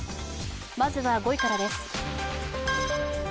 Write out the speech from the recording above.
まずは５位からです。